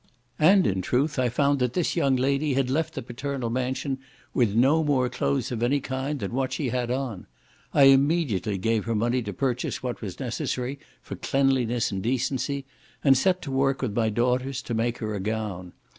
And in truth I found that this young lady had left the paternal mansion with no more clothes of any kind than what she had on. I immediately gave her money to purchase what was necessary for cleanliness and decency, and set to work with my daughters to make her a gown.